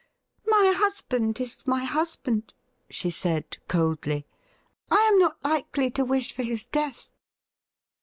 ' My husband is my husband !' she said coldly. ' I am not likely to wish for his death.'